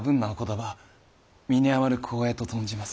葉身に余る光栄と存じます。